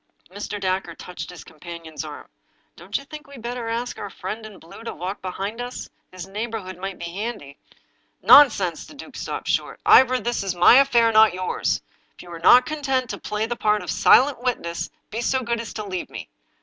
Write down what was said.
Mr. Dacre touched his companion's arm. " Don't you think we'd better ask our friend in blue to walk behind us? His neighborhood might be handy." " Nonsense I " The duke stopped short. " Ivor, this is my affair, not yours. If you are not content to play the part of silent witness, be so good as to leave me."